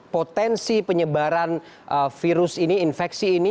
potensi penyebaran virus ini infeksi ini